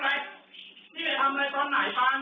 แล้วเราก็สู่ความสดะเยอะในการคุกกับพุ่ง